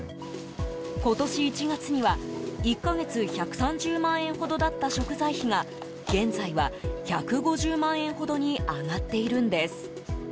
今年１月には、１か月１３０万円ほどだった食材費が現在は１５０万円ほどに上がっているんです。